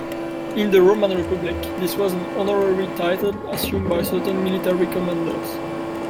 In the Roman Republic, this was an honorary title assumed by certain military commanders.